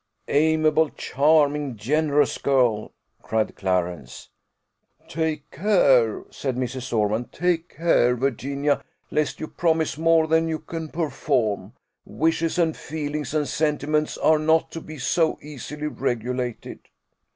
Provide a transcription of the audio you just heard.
"Amiable, charming, generous girl!" cried Clarence. "Take care," said Mrs. Ormond; "take care, Virginia, lest you promise more than you can perform. Wishes, and feelings, and sentiments, are not to be so easily regulated."